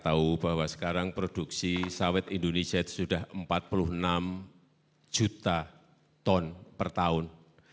kita tahu bahwa sekarang produksi sawit indonesia itu sudah empat puluh enam juta ton per tahun